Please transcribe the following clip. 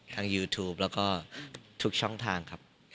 ยูทูปแล้วก็ทุกช่องทางครับ